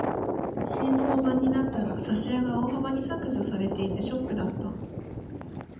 新装版になったら挿絵が大幅に削除されていてショックだった。